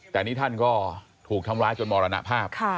แต่นี่ท่านก็ถูกทำร้ายจนมรณภาพ